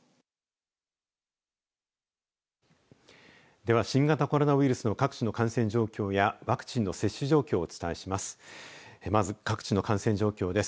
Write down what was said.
では新型コロナウイルスの各地の感染状況やワクチンの接種状況をお伝えします。